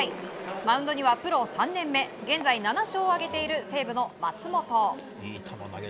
マウンドにはプロ３年目現在、７勝を挙げている西武の松本。